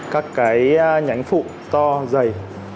các cái nhánh phụ to dày